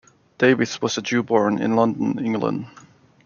Davies was a Jew born in London, England.